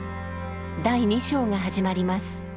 第２章が始まります！